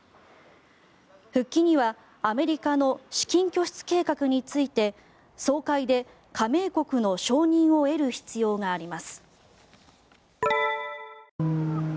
復帰にはアメリカの資金拠出計画について総会で加盟国の承認を得る必要があります。